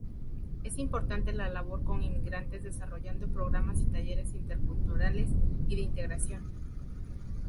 Es importante la labor con inmigrantes desarrollando programas y talleres interculturales y de integración.